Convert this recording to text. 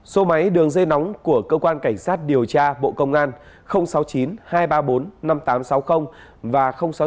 số máy đường dây nóng của cơ quan cảnh sát điều tra bộ công an sáu mươi chín hai trăm ba mươi bốn năm nghìn tám trăm sáu mươi và sáu mươi chín hai trăm ba mươi một một nghìn sáu trăm bảy